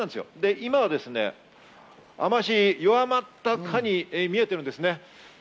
今は雨脚、弱まったかに見えているんです。